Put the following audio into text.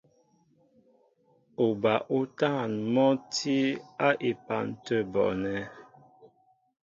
Uba útân mɔ́ tí á epan tə̂ bɔɔnɛ́.